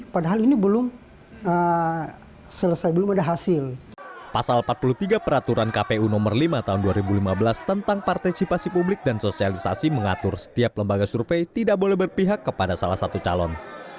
pasal empat puluh tiga peraturan kpu no lima tahun dua ribu lima belas tentang partisipasi publik dan sosialisasi mengatur setiap lembaga survei tidak boleh berpihak kepada salah satu calon